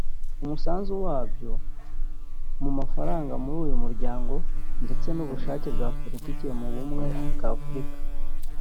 umusanzu wabyo mu mafaranga muri uyu muryango ndetse n’ubushake bwa Politiki mu bumwe bwa Afurika